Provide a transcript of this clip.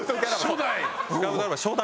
初代。